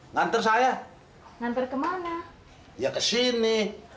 ngantar saya nanti kemana ya kesini